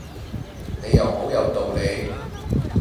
你又好有道理